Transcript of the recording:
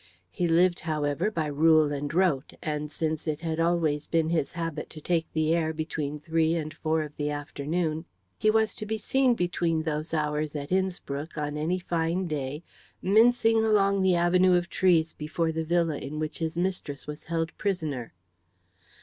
He lived, however, by rule and rote, and since it had always been his habit to take the air between three and four of the afternoon, he was to be seen between those hours at Innspruck on any fine day mincing along the avenue of trees before the villa in which his mistress was held prisoner.